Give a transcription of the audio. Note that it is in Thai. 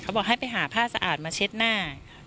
บอกให้ไปหาผ้าสะอาดมาเช็ดหน้า